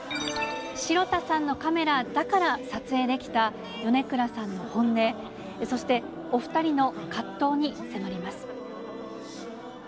城田さんのカメラだから撮影できた、米倉さんの本音、そしてお２人の葛藤に迫ります。